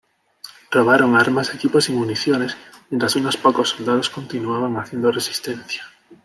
Robaron armas, equipos y municiones, mientras unos pocos soldados continuaban haciendo resistencia.